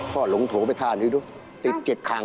พอลุงโทไปทานนี่ดูติดเก็บคัง